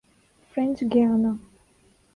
French Guiana